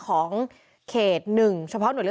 กรุงเทพฯมหานครทำไปแล้วนะครับ